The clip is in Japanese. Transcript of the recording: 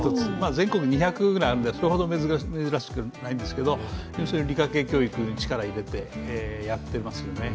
全国２００ぐらいあるので、それほど珍しくないんですけど理科系教育に力を入れて、やっていますよね。